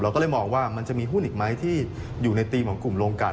ก็เลยมองว่ามันจะมีหุ้นอีกไหมที่อยู่ในธีมของกลุ่มโรงการ